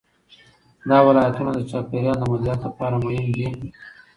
دا ولایتونه د چاپیریال د مدیریت لپاره مهم دي.